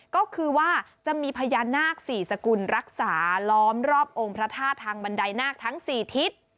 ก็คือว่าจะมีพญานาคสี่สกุลรักษาล้อมรอบองค์พระธาตุทางบันไดนาคทั้ง๔ทิศ